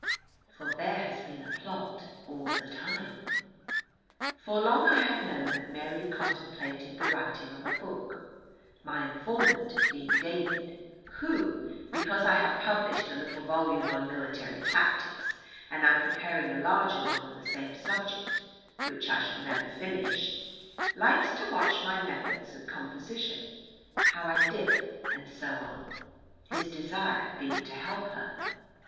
For there has been a plot all the time. For long I had known that Mary contemplated the writing of a book, my informant being David, who, because I have published a little volume on Military tactics, and am preparing a larger one on the same subject (which I shall never finish), likes to watch my methods of composition, how I dip, and so on, his desire being to help her.